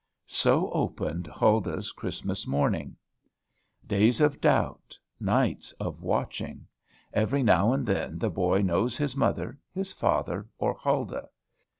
So opened Huldah's Christmas morning. Days of doubt, nights of watching. Every now and then the boy knows his mother, his father, or Huldah.